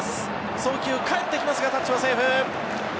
送球、返ってきますがタッチはセーフ。